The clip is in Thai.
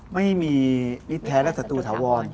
ไม่มีมิตรแท้และศัตรูถาวร